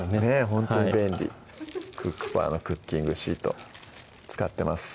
ほんとに便利「クックパー」のクッキングシート使ってます